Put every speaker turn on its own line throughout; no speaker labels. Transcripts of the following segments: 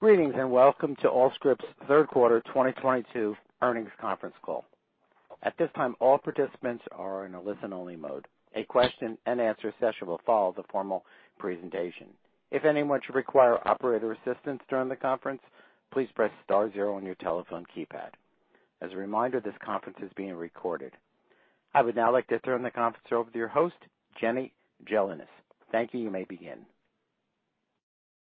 Greetings, and welcome to Allscripts' third quarter 2022 earnings conference call. At this time, all participants are in a listen-only mode. A question and answer session will follow the formal presentation. If anyone should require operator assistance during the conference, please press star zero on your telephone keypad. As a reminder, this conference is being recorded. I would now like to turn the conference over to your host, Jenny Gelinas. Thank you. You may begin.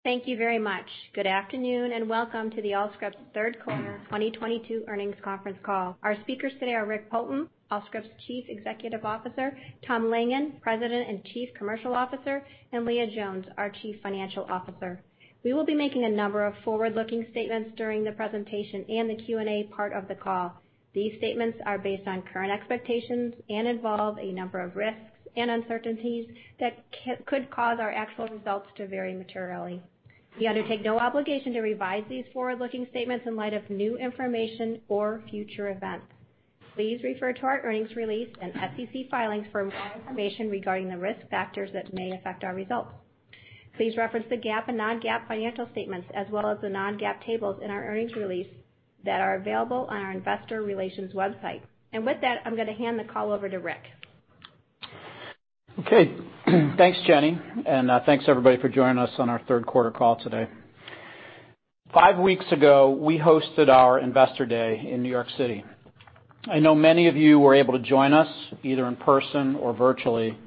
Thank you very much. Good afternoon, and welcome to the Allscripts third quarter 2022 earnings conference call. Our speakers today are Rick Poulton, Allscripts' Chief Executive Officer, Tom Langan, President and Chief Commercial Officer, and Leah Jones, our Chief Financial Officer. We will be making a number of forward-looking statements during the presentation and the Q&A part of the call. These statements are based on current expectations and involve a number of risks and uncertainties that could cause our actual results to vary materially. We undertake no obligation to revise these forward-looking statements in light of new information or future events. Please refer to our earnings release and SEC filings for more information regarding the risk factors that may affect our results. Please reference the GAAP and non-GAAP financial statements as well as the non-GAAP tables in our earnings release that are available on our investor relations website. With that, I'm gonna hand the call over to Rick.
Okay. Thanks, Jenny, and thanks everybody for joining us on our third quarter call today. Five weeks ago, we hosted our investor day in New York City. I know many of you were able to join us, either in person or virtually,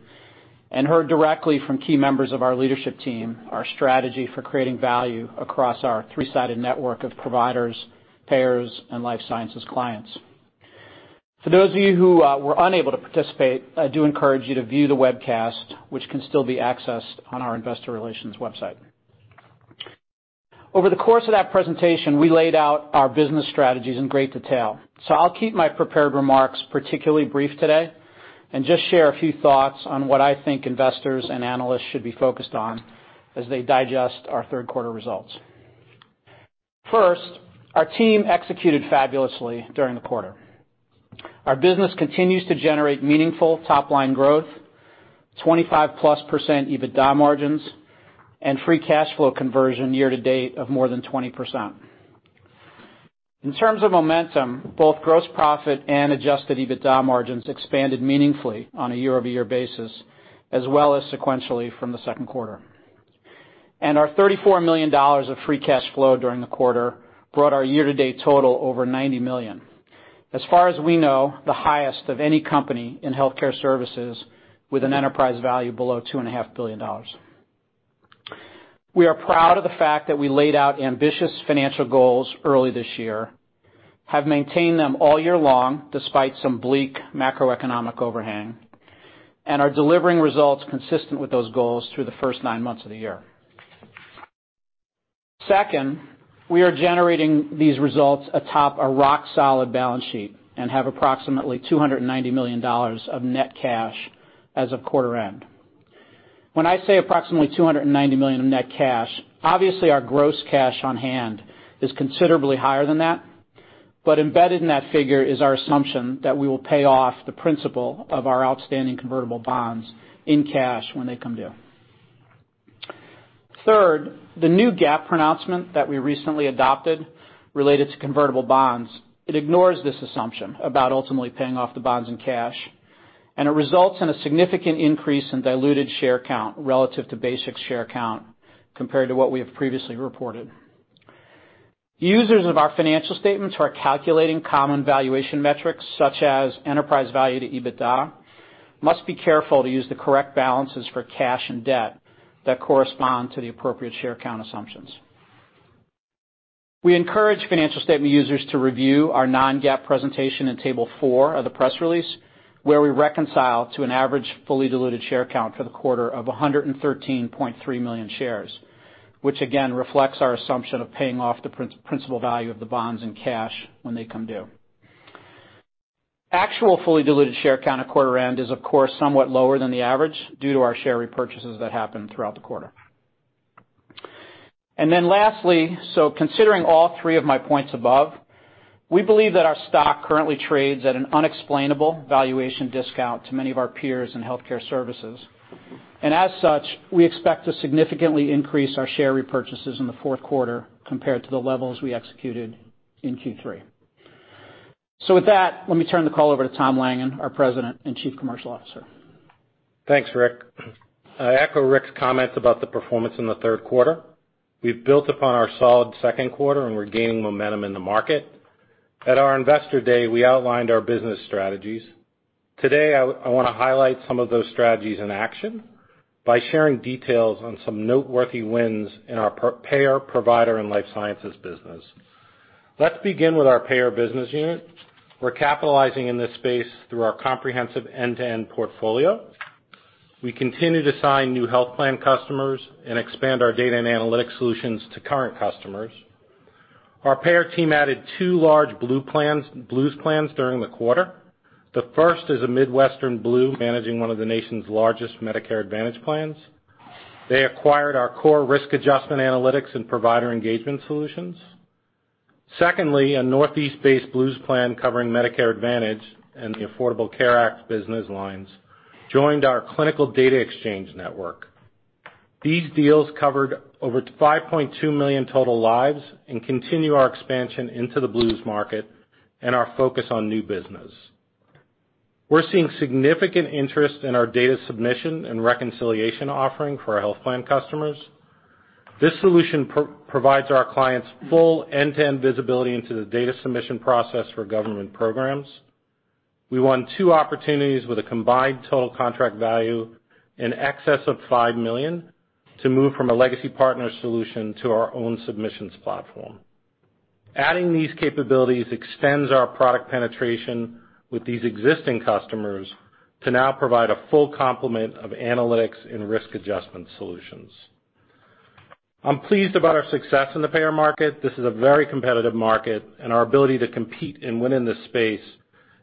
and heard directly from key members of our leadership team our strategy for creating value across our three-sided network of providers, payers, and life sciences clients. For those of you who were unable to participate, I do encourage you to view the webcast, which can still be accessed on our investor relations website. Over the course of that presentation, we laid out our business strategies in great detail, so I'll keep my prepared remarks particularly brief today and just share a few thoughts on what I think investors and analysts should be focused on as they digest our third quarter results. First, our team executed fabulously during the quarter. Our business continues to generate meaningful top-line growth, 25%+ EBITDA margins, and free cash flow conversion year to date of more than 20%. In terms of momentum, both gross profit and adjusted EBITDA margins expanded meaningfully on a year-over-year basis as well as sequentially from the second quarter. Our $34 million of free cash flow during the quarter brought our year-to-date total over $90 million. As far as we know, the highest of any company in healthcare services with an enterprise value below $2.5 billion. We are proud of the fact that we laid out ambitious financial goals early this year, have maintained them all year long, despite some bleak macroeconomic overhang, and are delivering results consistent with those goals through the first nine months of the year. Second, we are generating these results atop a rock-solid balance sheet and have approximately $290 million of net cash as of quarter end. When I say approximately $290 million of net cash, obviously our gross cash on hand is considerably higher than that, but embedded in that figure is our assumption that we will pay off the principal of our outstanding convertible notes in cash when they come due. Third, the new GAAP pronouncement that we recently adopted related to convertible notes, it ignores this assumption about ultimately paying off the bonds in cash, and it results in a significant increase in diluted share count relative to basic share count compared to what we have previously reported. Users of our financial statements who are calculating common valuation metrics, such as enterprise value to EBITDA, must be careful to use the correct balances for cash and debt that correspond to the appropriate share count assumptions. We encourage financial statement users to review our non-GAAP presentation in table 4 of the press release, where we reconcile to an average fully diluted share count for the quarter of 113.3 million shares, which again reflects our assumption of paying off the principal value of the bonds in cash when they come due. Actual fully diluted share count at quarter end is of course somewhat lower than the average due to our share repurchases that happened throughout the quarter. Then lastly, so considering all three of my points above, we believe that our stock currently trades at an unexplainable valuation discount to many of our peers in healthcare services. As such, we expect to significantly increase our share repurchases in the fourth quarter compared to the levels we executed in Q3. With that, let me turn the call over to Tom Langan, our President and Chief Commercial Officer.
Thanks, Rick. I echo Rick's comments about the performance in the third quarter. We've built upon our solid second quarter, and we're gaining momentum in the market. At our investor day, we outlined our business strategies. Today, I wanna highlight some of those strategies in action by sharing details on some noteworthy wins in our payer, provider, and life sciences business. Let's begin with our payer business unit. We're capitalizing in this space through our comprehensive end-to-end portfolio. We continue to sign new health plan customers and expand our data and analytic solutions to current customers. Our payer team added two large Blues plans during the quarter. The first is a Midwestern Blue managing one of the nation's largest Medicare Advantage plans. They acquired our core risk adjustment analytics and provider engagement solutions. Secondly, a Northeast-based Blues plan covering Medicare Advantage and the Affordable Care Act business lines joined our clinical data exchange network. These deals covered over 2 to 5.2 million total lives and continue our expansion into the Blues market and our focus on new business. We're seeing significant interest in our data submission and reconciliation offering for our health plan customers. This solution provides our clients full end-to-end visibility into the data submission process for government programs. We won two opportunities with a combined total contract value in excess of $5 million to move from a legacy partner solution to our own submissions platform. Adding these capabilities extends our product penetration with these existing customers to now provide a full complement of analytics and risk adjustment solutions. I'm pleased about our success in the payer market. This is a very competitive market, and our ability to compete and win in this space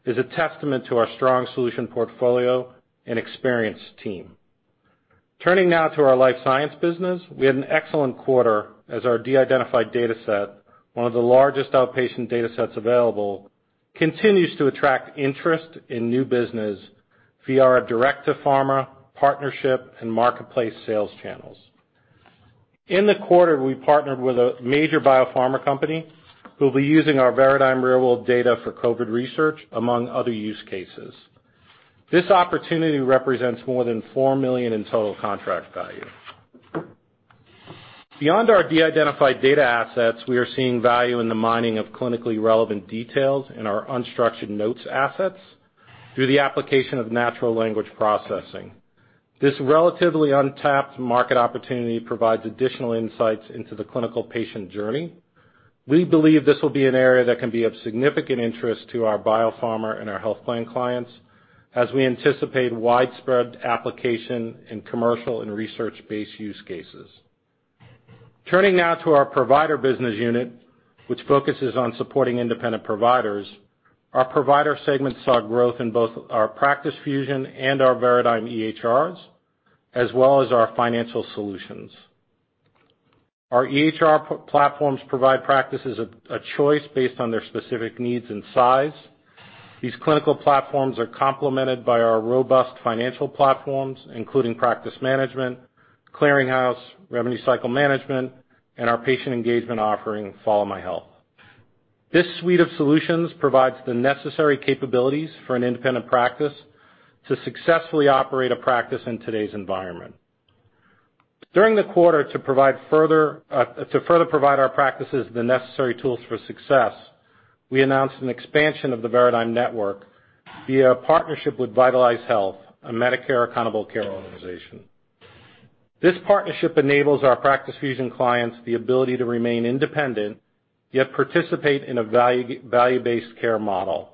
is a testament to our strong solution portfolio and experienced team. Turning now to our life science business. We had an excellent quarter as our de-identified dataset, one of the largest outpatient datasets available, continues to attract interest in new business via our direct-to-pharma partnership and marketplace sales channels. In the quarter, we partnered with a major biopharma company who'll be using our Veradigm real-world data for COVID research, among other use cases. This opportunity represents more than $4 million in total contract value. Beyond our de-identified data assets, we are seeing value in the mining of clinically relevant details in our unstructured notes assets through the application of natural language processing. This relatively untapped market opportunity provides additional insights into the clinical patient journey. We believe this will be an area that can be of significant interest to our biopharma and our health plan clients as we anticipate widespread application in commercial and research-based use cases. Turning now to our provider business unit, which focuses on supporting independent providers. Our provider segment saw growth in both our Practice Fusion and our Veradigm EHR, as well as our financial solutions. Our EHR platforms provide practices a choice based on their specific needs and size. These clinical platforms are complemented by our robust financial platforms, including practice management, clearinghouse, revenue cycle management, and our patient engagement offering, FollowMyHealth. This suite of solutions provides the necessary capabilities for an independent practice to successfully operate a practice in today's environment. During the quarter, to provide our practices the necessary tools for success, we announced an expansion of the Veradigm network via a partnership with Vytalize Health, a Medicare Accountable Care Organization. This partnership enables our Practice Fusion clients the ability to remain independent, yet participate in a value-based care model.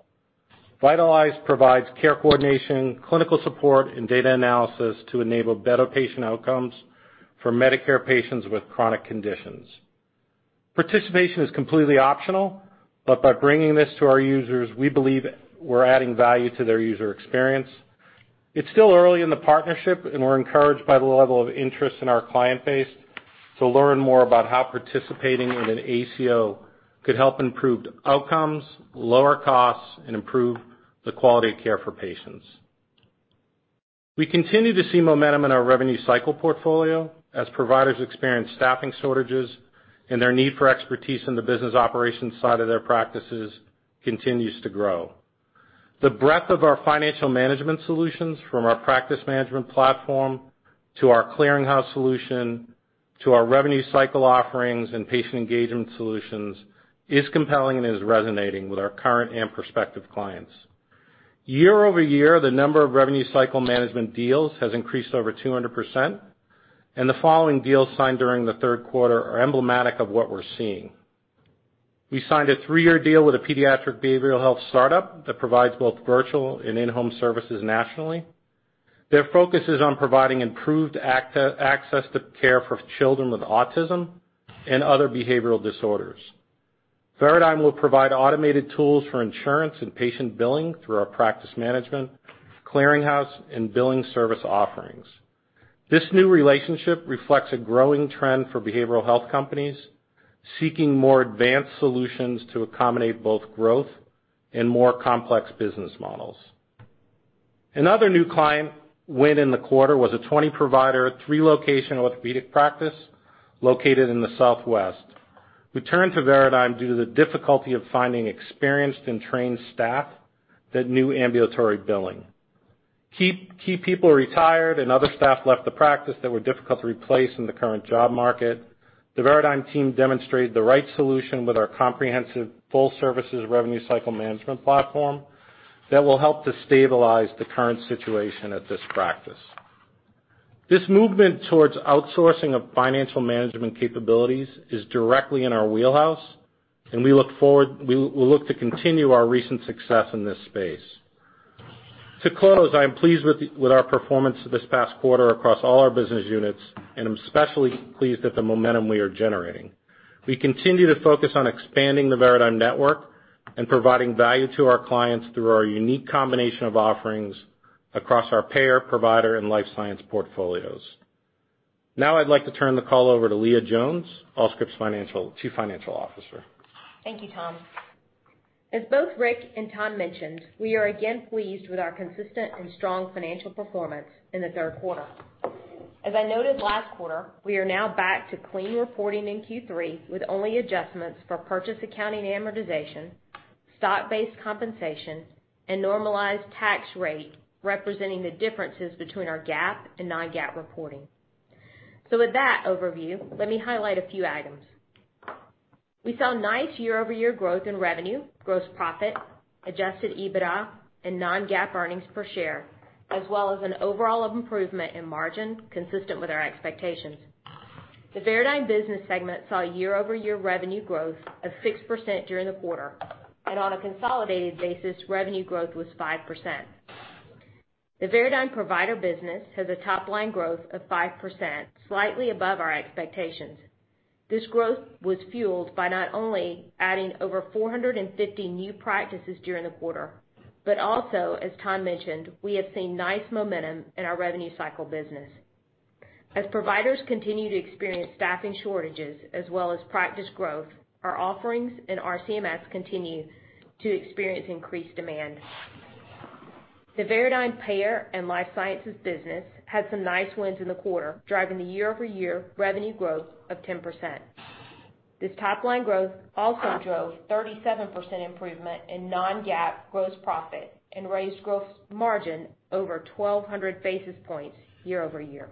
Vytalize provides care coordination, clinical support, and data analysis to enable better patient outcomes for Medicare patients with chronic conditions. Participation is completely optional, but by bringing this to our users, we believe we're adding value to their user experience. It's still early in the partnership, and we're encouraged by the level of interest in our client base to learn more about how participating in an ACO could help improve outcomes, lower costs, and improve the quality of care for patients. We continue to see momentum in our revenue cycle portfolio as providers experience staffing shortages and their need for expertise in the business operations side of their practices continues to grow. The breadth of our financial management solutions, from our practice management platform to our clearinghouse solution to our revenue cycle offerings and patient engagement solutions, is compelling and is resonating with our current and prospective clients. Year-over-year, the number of revenue cycle management deals has increased over 200%, and the following deals signed during the third quarter are emblematic of what we're seeing. We signed a three-year deal with a pediatric behavioral health startup that provides both virtual and in-home services nationally. Their focus is on providing improved access to care for children with autism and other behavioral disorders. Veradigm will provide automated tools for insurance and patient billing through our practice management, clearinghouse, and billing service offerings. This new relationship reflects a growing trend for behavioral health companies seeking more advanced solutions to accommodate both growth and more complex business models. Another new client win in the quarter was a 20-provider, 3-location orthopedic practice located in the Southwest who turned to Veradigm due to the difficulty of finding experienced and trained staff that knew ambulatory billing. Key people retired and other staff left the practice that were difficult to replace in the current job market. The Veradigm team demonstrated the right solution with our comprehensive full services revenue cycle management platform that will help to stabilize the current situation at this practice. This movement towards outsourcing of financial management capabilities is directly in our wheelhouse, and we look forward. We look to continue our recent success in this space. To close, I am pleased with our performance this past quarter across all our business units, and I'm especially pleased at the momentum we are generating. We continue to focus on expanding the Veradigm network and providing value to our clients through our unique combination of offerings across our payer, provider, and life science portfolios. Now I'd like to turn the call over to Leah Jones, Veradigm Chief Financial Officer.
Thank you, Tom. As both Rick and Tom mentioned, we are again pleased with our consistent and strong financial performance in the third quarter. As I noted last quarter, we are now back to clean reporting in Q3, with only adjustments for purchase accounting amortization, stock-based compensation, and normalized tax rate, representing the differences between our GAAP and non-GAAP reporting. With that overview, let me highlight a few items. We saw nice year-over-year growth in revenue, gross profit, adjusted EBITDA, and non-GAAP earnings per share, as well as an overall improvement in margin consistent with our expectations. The Veradigm business segment saw year-over-year revenue growth of 6% during the quarter, and on a consolidated basis, revenue growth was 5%. The Veradigm Provider business has a top line growth of 5%, slightly above our expectations. This growth was fueled by not only adding over 450 new practices during the quarter, but also, as Tom mentioned, we have seen nice momentum in our revenue cycle business. As providers continue to experience staffing shortages as well as practice growth, our offerings and RCMS continue to experience increased demand. The Veradigm Payer and Life Science business had some nice wins in the quarter, driving the year-over-year revenue growth of 10%. This top line growth also drove 37% improvement in non-GAAP gross profit and raised gross margin over 1,200 basis points year-over-year.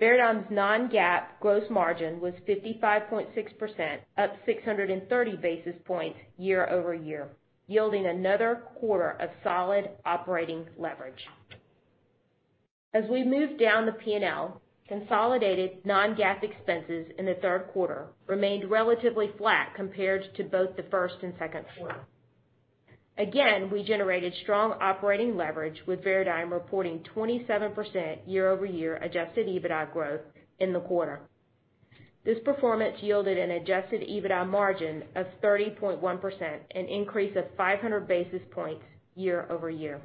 Veradigm's non-GAAP gross margin was 55.6%, up 630 basis points year-over-year, yielding another quarter of solid operating leverage. As we move down the P&L, consolidated non-GAAP expenses in the third quarter remained relatively flat compared to both the first and second quarter. Again, we generated strong operating leverage with Veradigm reporting 27% year-over-year adjusted EBITDA growth in the quarter. This performance yielded an adjusted EBITDA margin of 30.1%, an increase of 500 basis points year-over-year.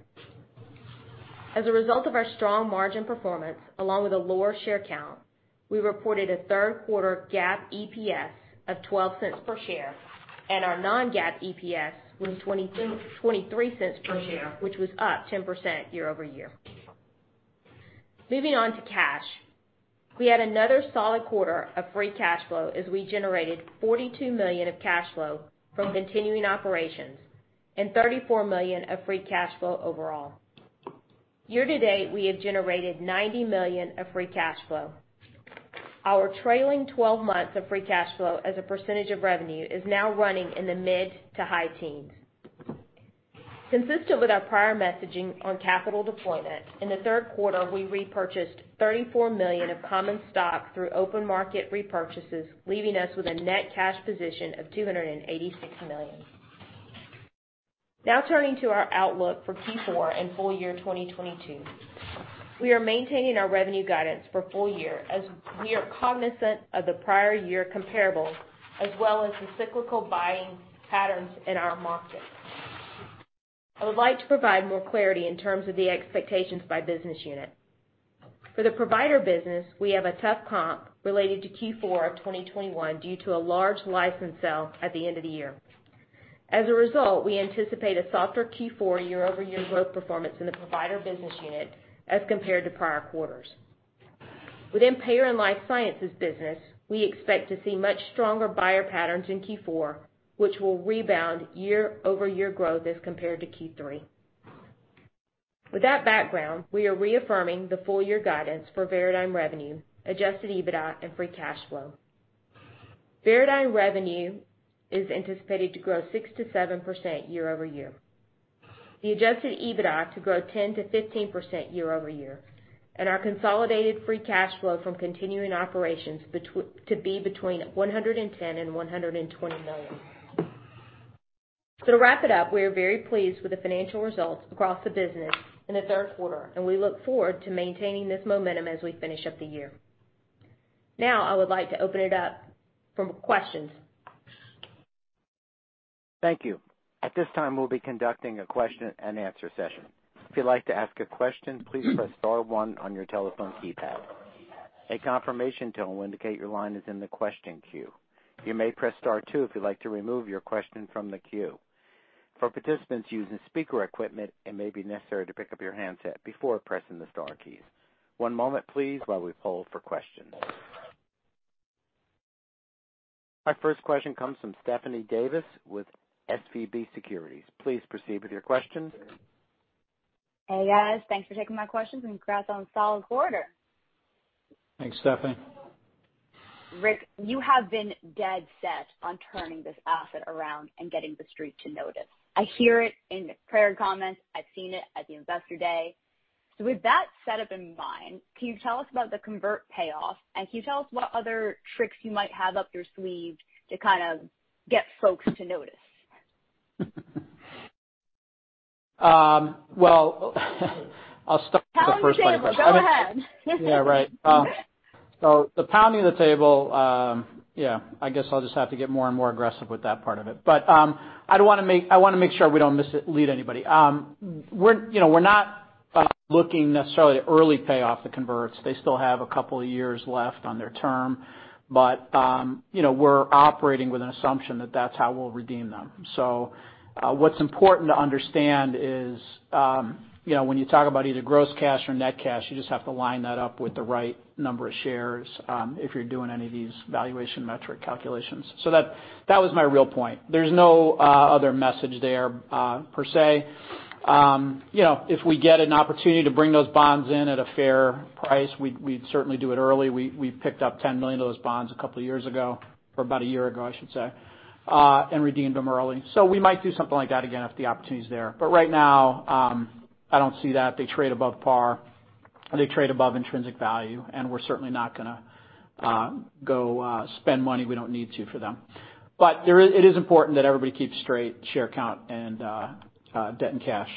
As a result of our strong margin performance, along with a lower share count, we reported a third quarter GAAP EPS of $0.12 per share, and our non-GAAP EPS was $0.23 per share, which was up 10% year-over-year. Moving on to cash. We had another solid quarter of free cash flow as we generated $42 million of cash flow from continuing operations and $34 million of free cash flow overall. Year to date, we have generated $90 million of free cash flow. Our trailing twelve months of free cash flow as a percentage of revenue is now running in the mid- to high teens. Consistent with our prior messaging on capital deployment, in the third quarter, we repurchased 34 million of common stock through open market repurchases, leaving us with a net cash position of $286 million. Now turning to our outlook for Q4 and full year 2022. We are maintaining our revenue guidance for full year as we are cognizant of the prior year comparable, as well as the cyclical buying patterns in our market. I would like to provide more clarity in terms of the expectations by business unit. For the Provider business, we have a tough comp related to Q4 of 2021 due to a large license sale at the end of the year. As a result, we anticipate a softer Q4 year-over-year growth performance in the Provider business unit as compared to prior quarters. Within payer and life science business, we expect to see much stronger buyer patterns in Q4, which will rebound year-over-year growth as compared to Q3. With that background, we are reaffirming the full year guidance for Veradigm revenue, adjusted EBITDA, and free cash flow. Veradigm revenue is anticipated to grow 6%-7% year-over-year. The adjusted EBITDA to grow 10%-15% year-over-year, and our consolidated free cash flow from continuing operations to be between $110 million and $120 million. To wrap it up, we are very pleased with the financial results across the business in the third quarter, and we look forward to maintaining this momentum as we finish up the year. Now, I would like to open it up for questions.
Thank you. At this time, we'll be conducting a question and answer session. If you'd like to ask a question, please press star one on your telephone keypad. A confirmation tone will indicate your line is in the question queue. You may press star two if you'd like to remove your question from the queue. For participants using speaker equipment, it may be necessary to pick up your handset before pressing the star keys. One moment please while we poll for questions. Our first question comes from Stephanie Davis with SVB Securities. Please proceed with your questions.
Hey, guys. Thanks for taking my questions and congrats on a solid quarter. Thanks, Stephanie. Rick, you have been dead set on turning this asset around and getting the Street to notice. I hear it in the prepared comments. I've seen it at the Investor Day. With that setup in mind, can you tell us about the convert payoff, and can you tell us what other tricks you might have up your sleeve to kind of get folks to notice?
Well, I'll start with the first part of that.
Tell them, James. Go ahead.
Yeah, right. The pounding of the table, yeah, I guess I'll just have to get more and more aggressive with that part of it. I'd wanna make—I wanna make sure we don't miss it, mislead anybody. We're, you know, we're not looking necessarily to early pay off the converts. They still have a couple of years left on their term, but, you know, we're operating with an assumption that that's how we'll redeem them. What's important to understand is, you know, when you talk about either gross cash or net cash, you just have to line that up with the right number of shares, if you're doing any of these valuation metric calculations. That was my real point. There's no other message there, per se. You know, if we get an opportunity to bring those bonds in at a fair price, we'd certainly do it early. We picked up $10 million of those bonds a couple years ago, or about a year ago, I should say, and redeemed them early. We might do something like that again if the opportunity is there. Right now, I don't see that. They trade above par, they trade above intrinsic value, and we're certainly not gonna go spend money we don't need to for them. It is important that everybody keeps straight share count and debt, and cash.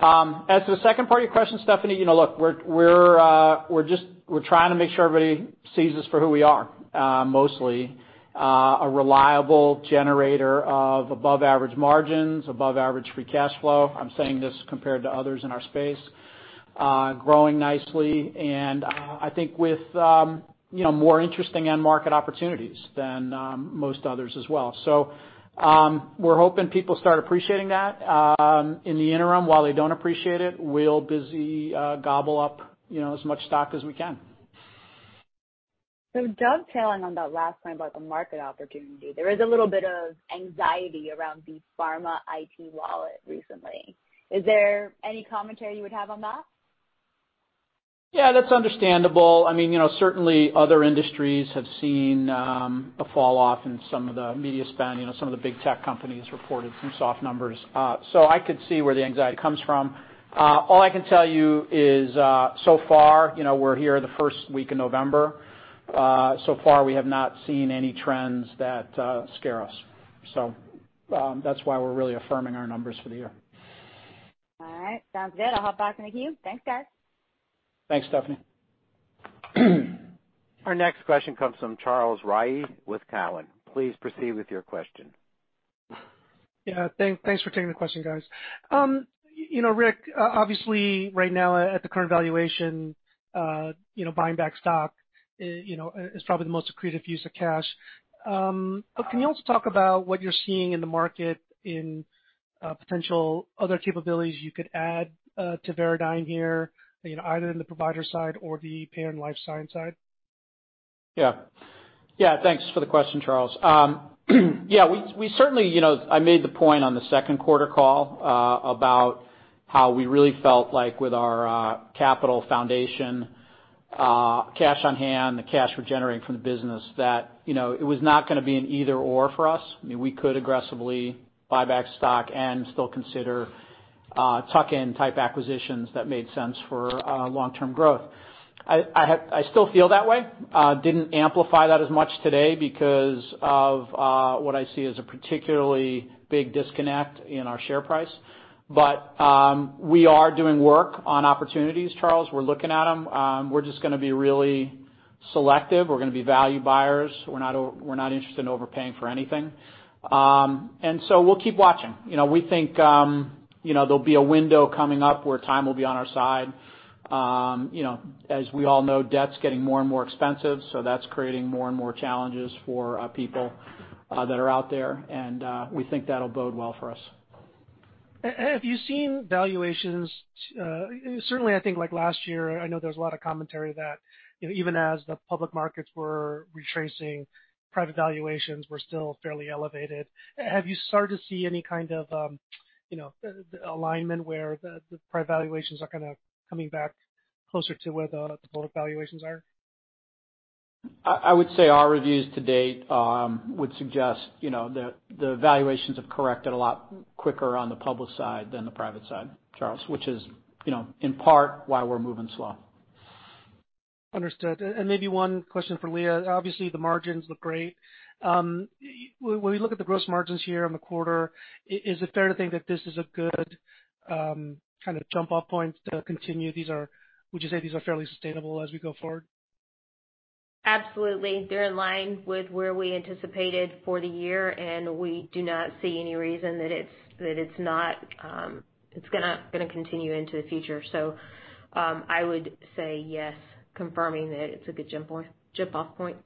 As to the second part of your question, Stephanie, you know, look, we're just trying to make sure everybody sees us for who we are, mostly a reliable generator of above average margins, above average free cash flow. I'm saying this compared to others in our space, growing nicely. I think with, you know, more interesting end market opportunities than most others as well. We're hoping people start appreciating that. In the interim, while they don't appreciate it, we'll busily gobble up, you know, as much stock as we can.
Dovetailing on that last point about the market opportunity, there is a little bit of anxiety around the pharma IT wallet recently. Is there any commentary you would have on that?
Yeah, that's understandable. I mean, you know, certainly other industries have seen a falloff in some of the media spend. You know, some of the big tech companies reported some soft numbers. I could see where the anxiety comes from. All I can tell you is, so far, you know, we're here the first week of November. So far, we have not seen any trends that scare us. That's why we're really affirming our numbers for the year.
All right. Sounds good. I'll hop back into the queue. Thanks, guys.
Thanks, Stephanie.
Our next question comes from Charles Rhyee with Cowen. Please proceed with your question.
Yeah, thanks for taking the question, guys. You know, Rick, obviously right now at the current valuation, you know, buying back stock, you know, is probably the most accretive use of cash. Can you also talk about what you're seeing in the market in potential other capabilities you could add to Veradigm here, you know, either in the provider side or the payer and life science side?
Yeah. Yeah, thanks for the question, Charles. Yeah, we certainly, you know, I made the point on the second quarter call, about how we really felt like with our, capital foundation, cash on hand, the cash we're generating from the business, that, you know, it was not gonna be an either/or for us. I mean, we could aggressively buy back stock and still consider, tuck-in type acquisitis that made sense for, long-term growth. I still feel that way. Didn't amplify that as much today because of, what I see as a particularly big disconnect in our share price. We are doing work on opportunities, Charles. We're looking at them. We're just gonna be really selective. We're gonna be value buyers. We're not interested in overpaying for anything. We'll keep watching. You know, we think, you know, there'll be a window coming up where time will be on our side. You know, as we all know, debt's getting more and more expensive, so that's creating more and more challenges for people that are out there, and we think that'll bode well for us.
Have you seen valuations, certainly, I think like last year, I know there's a lot of commentary that, you know, even as the public markets were retracing, private valuations were still fairly elevated. Have you started to see any kind of, you know, alignment where the private valuations are kinda coming back closer to where the public valuations are?
I would say our reviews to date would suggest, you know, that the valuations have corrected a lot quicker on the public side than the private side, Charles, which is, you know, in part why we're moving slow.
Understood. Maybe one question for Leah. Obviously, the margins look great. When we look at the gross margins here on the quarter, is it fair to think that this is a good kinda jump off point to continue? Would you say these are fairly sustainable as we go forward?
Absolutely. They're in line with where we anticipated for the year, and we do not see any reason that it's not, it's gonna continue into the future. So, I would say yes, confirming that it's a good jump off point.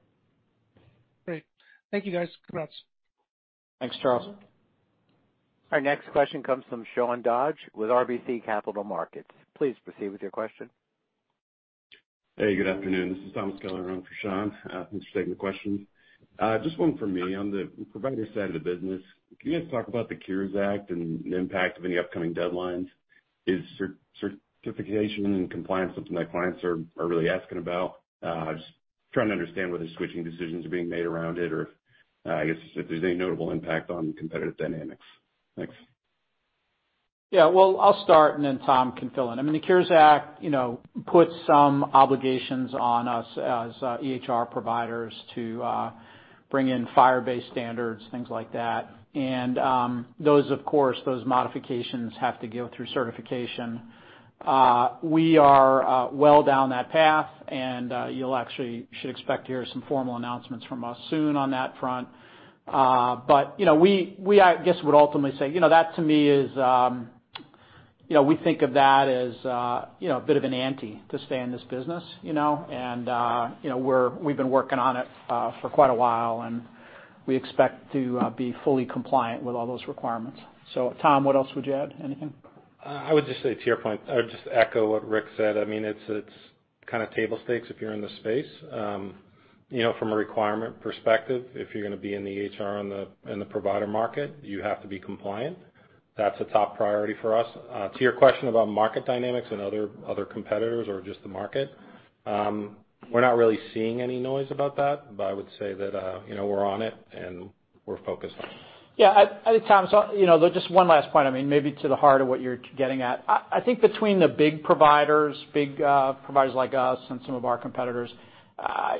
Great. Thank you, guys. Congrats.
Thanks, Charles.
Our next question comes from Sean Dodge with RBC Capital Markets. Please proceed with your question.
Hey, good afternoon. This is Thomas Keller in for Sean. Thanks for taking the question. Just one for me. On the provider side of the business, can you guys talk about the Cures Act and the impact of any upcoming deadlines? Is certification and compliance something that clients are really asking about? Just trying to understand whether switching decisions are being made around it or if I guess if there's any notable impact on competitive dynamics. Thanks.
Well, I'll start and then Tom can fill in. I mean, the Cures Act, you know, puts some obligations on us as EHR providers to bring in FHIR-based standards, things like that. Those of course, those modifications have to go through certification. We are well down that path, and you'll actually should expect to hear some formal announcements from us soon on that front. But, you know, we, I guess, would ultimately say, you know, that to me is, you know, we think of that as a bit of an ante to stay in this business, you know. You know, we've been working on it for quite a while, and we expect to be fully compliant with all those requirements. Tom, what else would you add? Anything?
I would just say to your point or just echo what Rick said. I mean, it's kinda table stakes if you're in the space. You know, from a requirement perspective, if you're gonna be in the EHR and the provider market, you have to be compliant. That's a top priority for us. To your question about market dynamics and other competitors or just the market, we're not really seeing any noise about that. I would say that, you know, we're on it, and we're focused on it.
Yeah. I think, Tom, so, you know, just one last point. I mean, maybe to the heart of what you're getting at. I think between the big providers like us and some of our competitors,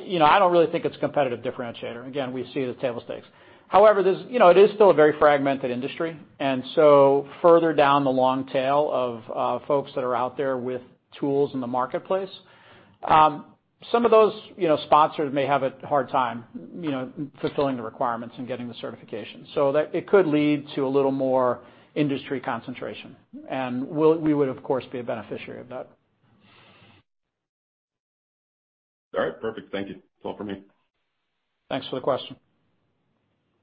you know, I don't really think it's competitive differentiator. Again, we see the table stakes. However, there's, you know, it is still a very fragmented industry. Further down the long tail of folks that are out there with tools in the marketplace, some of those, you know, sponsors may have a hard time, you know, fulfilling the requirements and getting the certification. So that it could lead to a little more industry concentration. We would, of course, be a beneficiary of that.
All right. Perfect. Thank you. That's all for me.
Thanks for the question.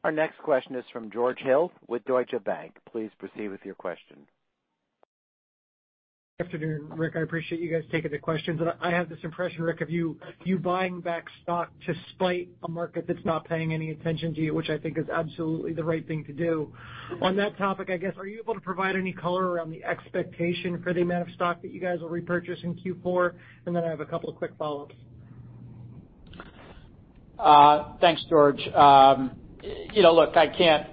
Our next question is from George Hill with Deutsche Bank. Please proceed with your question.
Afternoon, Rick. I appreciate you guys taking the questions. I have this impression, Rick, of you buying back stock to spite a market that's not paying any attention to you, which I think is absolutely the right thing to do. On that topic, I guess, are you able to provide any color around the expectation for the amount of stock that you guys will repurchase in Q4? Then I have a couple of quick follow-ups.
Thanks, George. You know, look, I can't,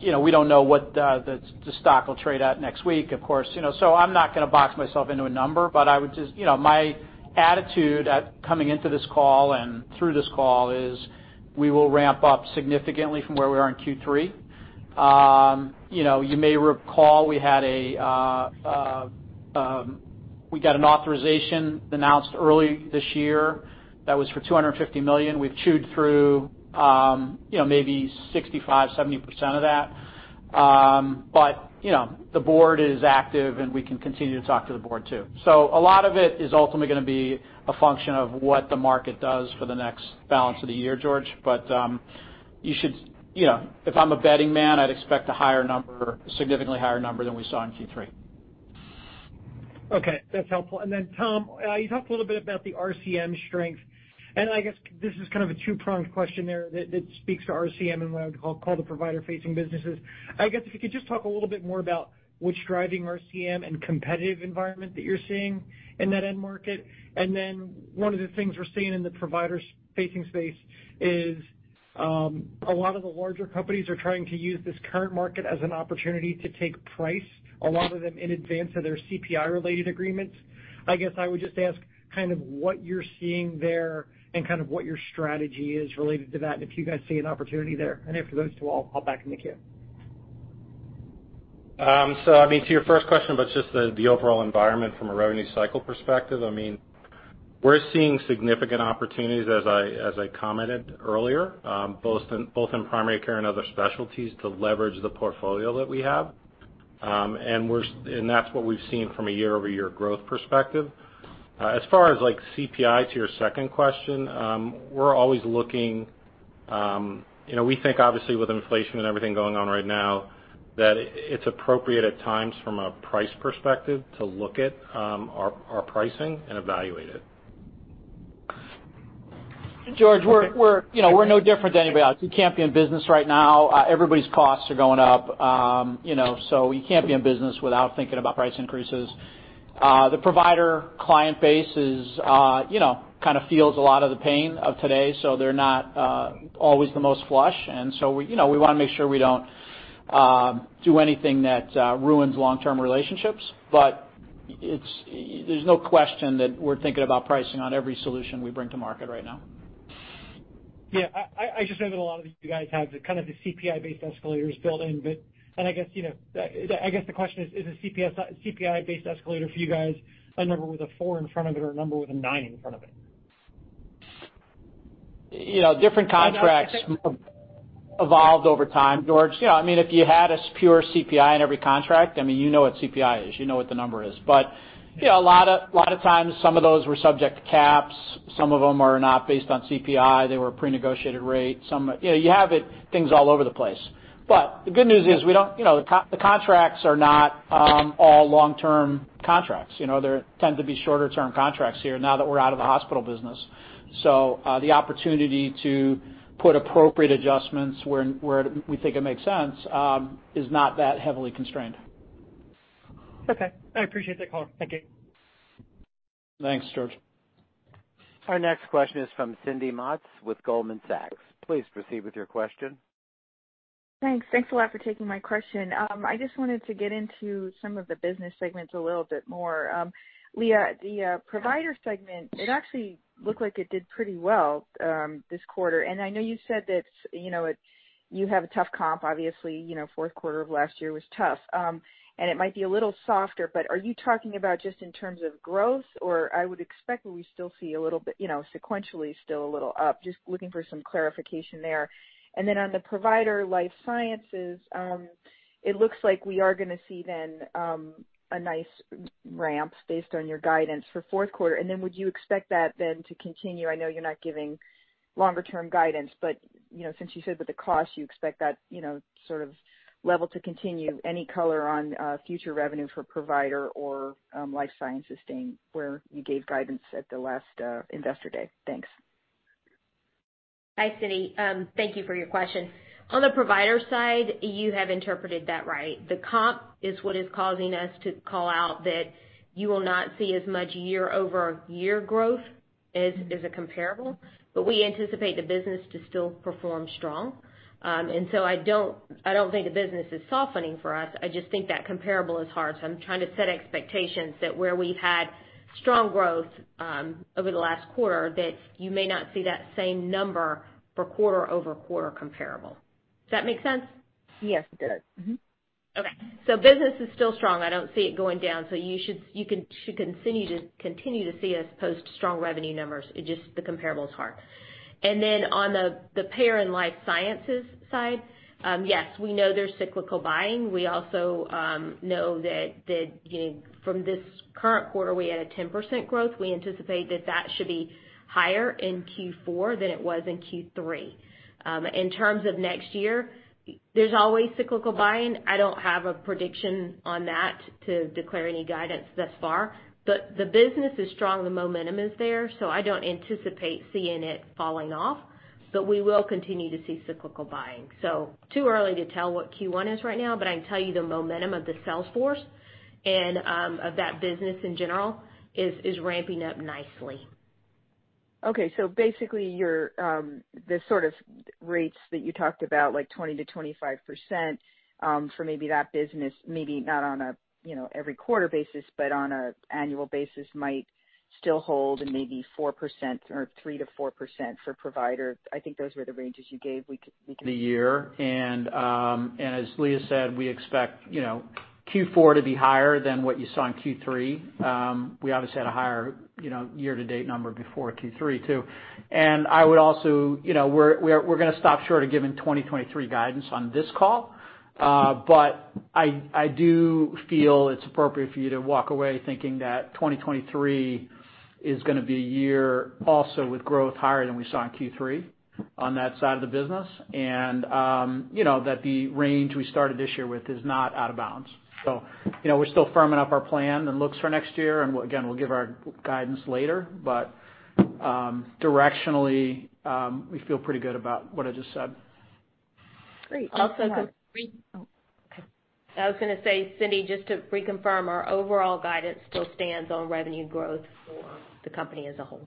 you know, we don't know what the stock will trade at next week, of course, you know. I'm not gonna box myself into a number, but I would just you know, my attitude at coming into this call and through this call is we will ramp up significantly from where we are in Q3. You know, you may recall we got an authorization announced early this year that was for $250 million. We've chewed through, you know, maybe 65%-70% of that. You know, the board is active, and we can continue to talk to the board too. A lot of it is ultimately gonna be a function of what the market does for the back half of the year, George. You know, if I'm a betting man, I'd expect a higher number, significantly higher number than we saw in Q3.
Okay, that's helpful. Tom, you talked a little bit about the RCM strength, and I guess this is kind of a two-pronged question there that speaks to RCM and what I would call the provider-facing businesses. I guess, if you could just talk a little bit more about what's driving RCM and competitive environment that you're seeing in that end market. One of the things we're seeing in the provider-facing space is a lot of the larger companies are trying to use this current market as an opportunity to take price, a lot of them in advance of their CPI-related agreements. I guess I would just ask kind of what you're seeing there and kind of what your strategy is related to that, and if you guys see an opportunity there. After those two, I'll back in the queue.
I mean, to your first question about just the overall environment from a revenue cycle perspective, I mean, we're seeing significant opportunities as I commented earlier, both in primary care and other specialties to leverage the portfolio that we have. That's what we've seen from a year-over-year growth perspective. As far as like CPI to your second question, we're always looking. You know, we think obviously with inflation and everything going on right now, that it's appropriate at times from a price perspective to look at our pricing and evaluate it.
George, you know, we're no different than anybody else. You can't be in business right now. Everybody's costs are going up. You know, you can't be in business without thinking about price increases. The provider client base is, you know, kinda feels a lot of the pain of today, so they're not always the most flush. We, you know, we wanna make sure we don't do anything that ruins long-term relationships. There's no question that we're thinking about pricing on every solution we bring to market right now.
Yeah. I just know that a lot of you guys have kind of the CPI-based escalators built in. I guess, you know, the question is a CPI-based escalator for you guys a number with a four in front of it or a number with a nine in front of it?
You know, different contracts evolved over time, George. You know, I mean, if you had a pure CPI in every contract, I mean, you know what CPI is, you know what the number is. You know, a lot of times, some of those were subject to caps, some of them are not based on CPI. They were prenegotiated rate. Some. You know, you have it, things all over the place. The good news is we don't. You know, the contracts are not all long-term contracts. You know, they're tend to be shorter term contracts here now that we're out of the hospital business. The opportunity to put appropriate adjustments where we think it makes sense is not that heavily constrained.
Okay. I appreciate the call. Thank you.
Thanks, George.
Our next question is from Cindy Motz with Goldman Sachs. Please proceed with your question.
Thanks. Thanks a lot for taking my question. I just wanted to get into some of the business segments a little bit more. Leah, the provider segment, it actually looked like it did pretty well, this quarter. I know you said that, you know, it, you have a tough comp, obviously. You know, fourth quarter of last year was tough, and it might be a little softer. Are you talking about just in terms of growth, or I would expect that we still see a little bit, you know, sequentially still a little up. Just looking for some clarification there. On the payer life sciences, it looks like we are gonna see then, a nice ramp based on your guidance for fourth quarter. Would you expect that then to continue? I know you're not giving longer-term guidance, but, you know, since you said with the cost you expect that, you know, sort of level to continue, any color on, future revenue for provider or, life sciences staying where you gave guidance at the last, investor day? Thanks.
Hi, Cindy. Thank you for your question. On the provider side, you have interpreted that right. The comp is what is causing us to call out that you will not see as much year-over-year growth as a comparable, but we anticipate the business to still perform strong. I don't think the business is softening for us, I just think that comparable is hard. I'm trying to set expectations that where we've had strong growth over the last quarter that you may not see that same number for quarter-over-quarter comparable. Does that make sense?
Yes, it does. Mm-hmm.
Okay. Business is still strong. I don't see it going down, so you should continue to see us post strong revenue numbers. It just the comparable is hard. On the payer and life sciences side, yes, we know there's cyclical buying. We also know that you know from this current quarter, we had a 10% growth. We anticipate that should be higher in Q4 than it was in Q3. In terms of next year, there's always cyclical buying. I don't have a prediction on that to declare any guidance thus far. The business is strong, the momentum is there, so I don't anticipate seeing it falling off. We will continue to see cyclical buying. Too early to tell what Q1 is right now, but I can tell you the momentum of the sales force and of that business in general is ramping up nicely.
Okay, basically your, the sort of rates that you talked about, like 20-25%, for maybe that business, maybe not on a, you know, every quarter basis, but on a annual basis might still hold maybe 4% or 3-4% for provider. I think those were the ranges you gave week to week.
The year. As Leah said, we expect, you know, Q4 to be higher than what you saw in Q3. We obviously had a higher, you know, year to date number before Q3 too. I would also, you know, we're gonna stop short of giving 2023 guidance on this call. I do feel it's appropriate for you to walk away thinking that 2023 is gonna be a year also with growth higher than we saw in Q3 on that side of the business. You know, that the range we started this year with is not out of bounds. You know, we're still firming up our plan and looks for next year. Again, we'll give our guidance later. Directionally, we feel pretty good about what I just said.
Great.
Also to re-
Oh.
I was gonna say, Cindy, just to reconfirm, our overall guidance still stands on revenue growth for the company as a whole.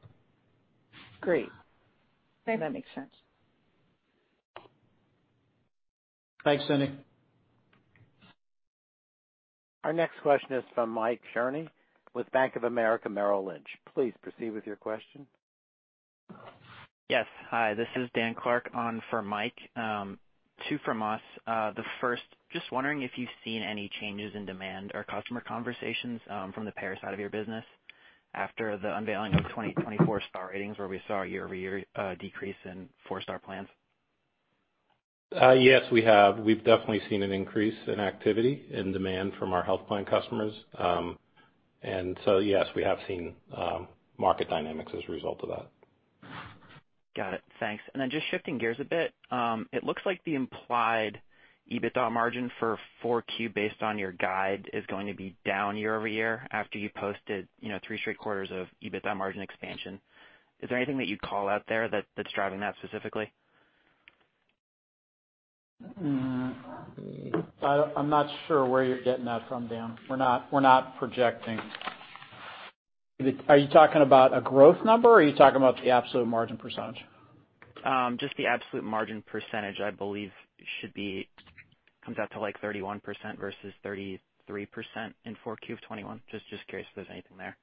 Great.
Thanks.
That makes sense.
Thanks, Cindy.
Our next question is from Michael Cherny with Bank of America Merrill Lynch. Please proceed with your question.
Yes. Hi, this is Dan Clark on for Mike. Two from us. The first, just wondering if you've seen any changes in demand or customer conversations from the payer side of your business after the unveiling of 2024 Star Ratings, where we saw a year-over-year decrease in four-star plans?
Yes, we have. We've definitely seen an increase in activity and demand from our health plan customers. Yes, we have seen market dynamics as a result of that.
Got it. Thanks. Just shifting gears a bit, it looks like the implied EBITDA margin for 4Q based on your guide is going to be down year-over-year after you posted, you know, three straight quarters of EBITDA margin expansion. Is there anything that you'd call out there that's driving that specifically?
I'm not sure where you're getting that from, Dan. We're not projecting. Are you talking about a growth number or are you talking about the absolute margin percentage?
Just the absolute margin percentage, I believe comes out to, like, 31% versus 33% in 4Q of 2021. Just curious if there's anything there?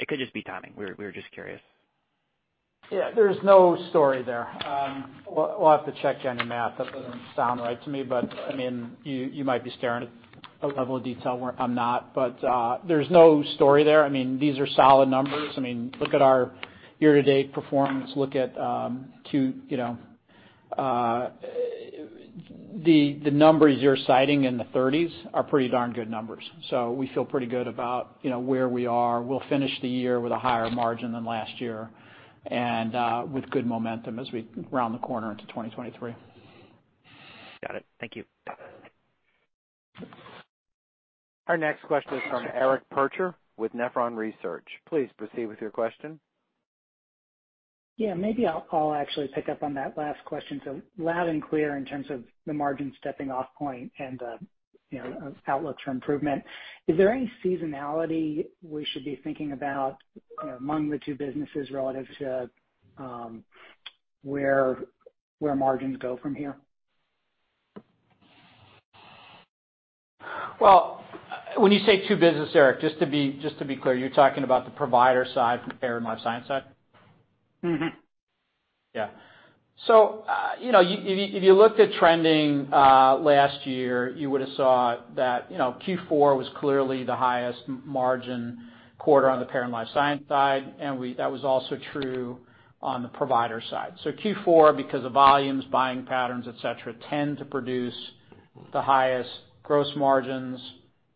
It could just be timing. We were just curious.
Yeah, there's no story there. We'll have to check you on your math. That doesn't sound right to me, but I mean, you might be staring at a level of detail where I'm not. There's no story there. I mean, these are solid numbers. I mean, look at our year-to-date performance. The numbers you're citing in the thirties are pretty darn good numbers. So we feel pretty good about, you know, where we are. We'll finish the year with a higher margin than last year and with good momentum as we round the corner into 2023.
Got it. Thank you.
Our next question is from Eric Percher with Nephron Research. Please proceed with your question.
Yeah, maybe I'll actually pick up on that last question. Loud and clear in terms of the margin stepping off point and, you know, outlook for improvement. Is there any seasonality we should be thinking about, you know, among the two businesses relative to, where margins go from here?
Well, when you say two businesses, Eric, just to be clear, you're talking about the provider side or the payer and life science side?
Mm-hmm.
Yeah. If you looked at trending last year, you would've saw that, you know, Q4 was clearly the highest margin quarter on the payer and life science side, and that was also true on the provider side. Q4, because of volumes, buying patterns, et cetera, tend to produce the highest gross margins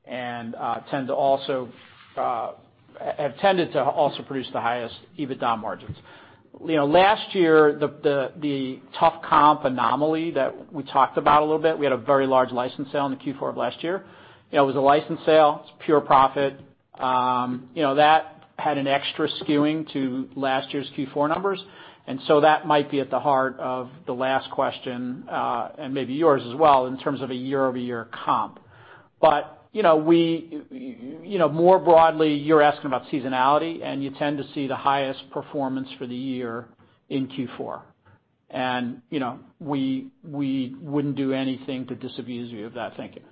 and tend to also produce the highest EBITDA margins. You know, last year, the tough comp anomaly that we talked about a little bit, we had a very large license sale in the Q4 of last year. You know, it was a license sale, it's pure profit. You know, that had an extra skewing to last year's Q4 numbers. That might be at the heart of the last question, and maybe yours as well in terms of a year-over-year comp. You know, we, you know, more broadly, you're asking about seasonality, and you tend to see the highest performance for the year in Q4. You know, we wouldn't do anything to disabuse you of that thinking.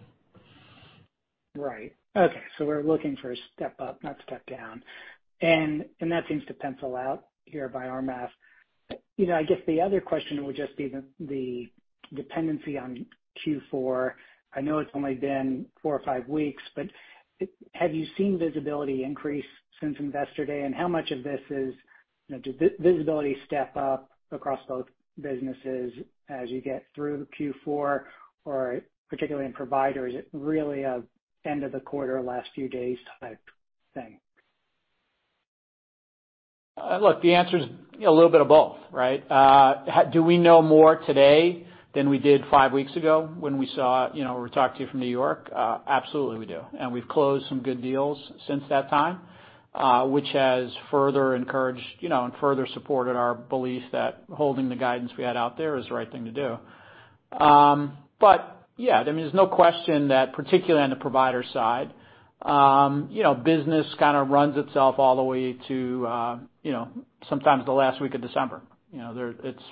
Right. Okay. We're looking for a step up, not a step down. That seems to pencil out here by our math. You know, I guess the other question would just be the dependency on Q4. I know it's only been four or five weeks, but have you seen visibility increase since Investor Day? How much of this is, you know, visibility step up across both businesses as you get through Q4? Or particularly in provider, is it really an end of the quarter, last few days type thing?
Look, the answer's, you know, a little bit of both, right? Do we know more today than we did five weeks ago when we saw, you know, or talked to you from New York? Absolutely, we do. We've closed some good deals since that time, which has further encouraged, you know, and further supported our belief that holding the guidance we had out there is the right thing to do. Yeah, I mean, there's no question that particularly on the provider side, you know, business kind of runs itself all the way to, you know, sometimes the last week of December. You know, it's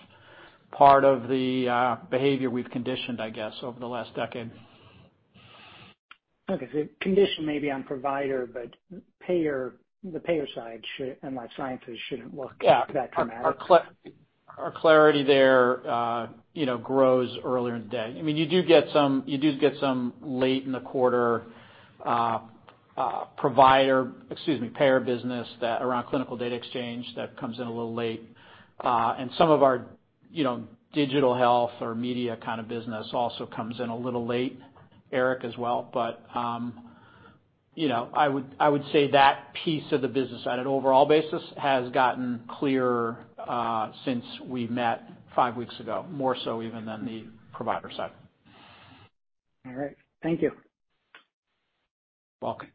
part of the behavior we've conditioned, I guess, over the last decade.
Okay. Condition maybe on provider, but payer, the payer side should, and life sciences shouldn't look.
Yeah.
that dramatic.
Our clarity there, you know, grows earlier in the day. I mean, you do get some late in the quarter, provider, excuse me, payer business that around clinical data exchange that comes in a little late. And some of our, you know, digital health or media kind of business also comes in a little late, Eric, as well. You know, I would say that piece of the business at an overall basis has gotten clearer since we met five weeks ago, more so even than the provider side.
All right. Thank you.
Welcome.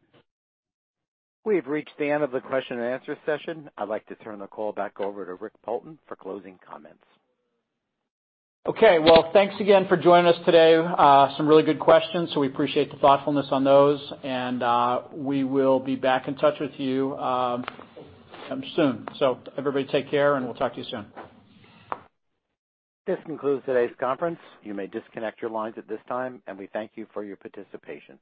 We have reached the end of the question and answer session. I'd like to turn the call back over to Rick Poulton for closing comments.
Okay. Well, thanks again for joining us today. Some really good questions, so we appreciate the thoughtfulness on those. We will be back in touch with you soon. Everybody take care, and we'll talk to you soon.
This concludes today's conference. You may disconnect your lines at this time, and we thank you for your participation.